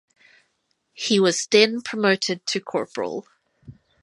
He was then promoted to corporal.